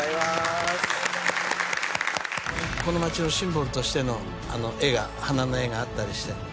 この町のシンボルとしてあの花の絵があったりして。